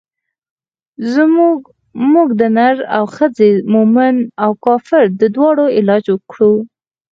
موږ د نر او ښځې مومن او کافر د دواړو علاج کړو.